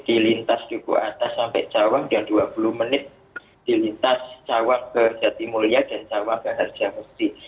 dilintas juga atas sampai cawang dan dua puluh menit dilintas cawang ke jatimulya dan cawang ke harjahusti